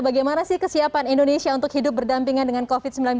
bagaimana sih kesiapan indonesia untuk hidup berdampingan dengan covid sembilan belas